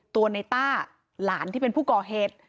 ตัวในต้าหลานที่เป็นผู้ก่อเหตุ